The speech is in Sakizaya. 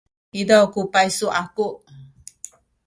izaw ku paysu aku.